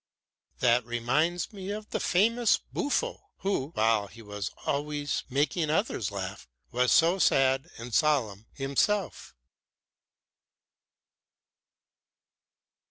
"That reminds me of the famous Buffo, who, while he was always making others laugh, was so sad and solemn himself."